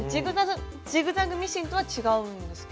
ジグザグミシンとは違うんですか？